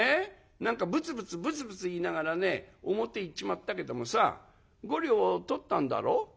何かぶつぶつぶつぶつ言いながらね表へ行っちまったけどもさ５両取ったんだろ？」。